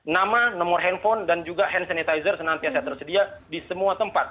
nama nomor handphone dan juga hand sanitizer senantiasa tersedia di semua tempat